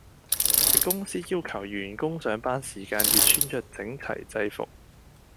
我哋公司要求員工上班時間要穿著整齊裝服